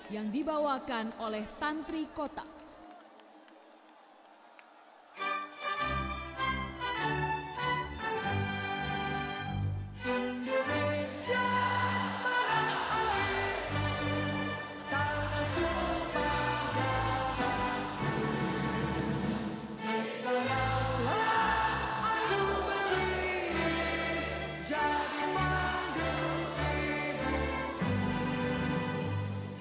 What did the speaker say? yang dibawakan oleh tantri kotak